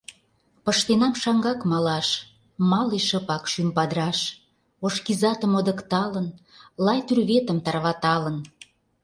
Пыштенам шаҥгак малаш, Мале шыпак, шӱм падыраш. Ош кизатым модыкталын. Лай тӱрветым тарваталын.